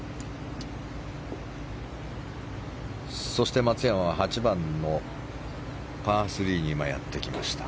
そして松山は８番のパー３にやってきました。